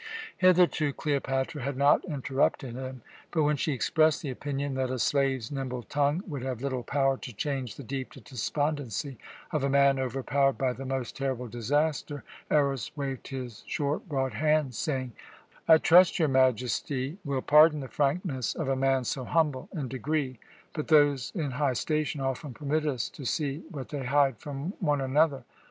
Hitherto Cleopatra had not interrupted him; but when she expressed the opinion that a slave's nimble tongue would have little power to change the deep despondency of a man overwhelmed by the most terrible disaster, Eros waved his short, broad hand, saying: "I trust your Majesty will pardon the frankness of a man so humble in degree, but those in high station often permit us to see what they hide from one another.